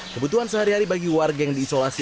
kebutuhan sehari hari bagi warga yang diisolasi